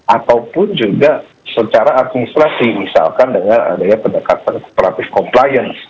ataupun juga secara administrasi misalkan dengan adanya pendekatan kooperatif compliance